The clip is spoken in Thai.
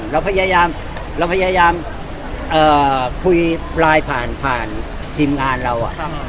เราพยายามเราพยายามเอ่อคุยปลายผ่านผ่านทีมงานเราอ่ะ